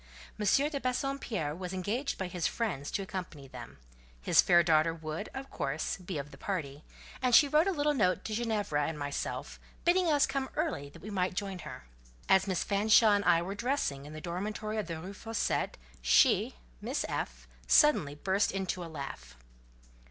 M. de Bassompierre was engaged by his friends to accompany them; his fair daughter would, of course, be of the party, and she wrote a little note to Ginevra and myself, bidding us come early that we might join her. As Miss Fanshawe and I were dressing in the dormitory of the Rue Fossette, she (Miss F.) suddenly burst into a laugh.